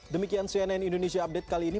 demikian cnn indonesia update kali ini